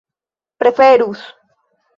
preferus